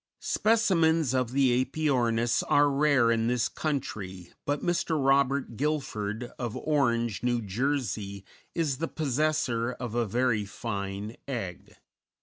Specimens of the Æpyornis are rare in this country, but Mr. Robert Gilfort, of Orange, N.J., is the possessor of a very fine egg.